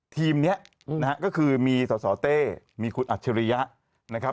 ทีมนี้ก็คือมีสตเต้มีคุณอัชริยะ